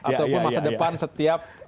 ataupun masa depan setiap